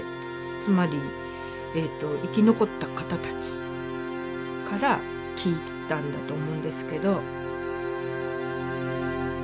つまりえっと生き残った方たちから聞いたんだと思うんですけど。